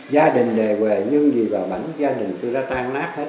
gia đình đề quề như gì bà bảnh gia đình tôi đã tan nát hết